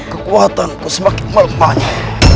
kekuatanku semakin melemahnya